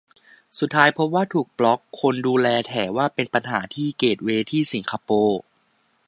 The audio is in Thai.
สุดท้ายพบว่าถูกบล็อค คนดูแลแถว่าเป็นปัญหาที่เกตเวย์ที่สิงคโปร์